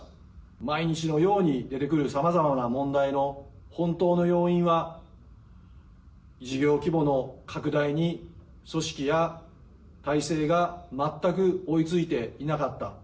毎日のように出てくるさまざまな問題の本当の要因は、事業規模の拡大に組織や体制が全く追いついていなかった。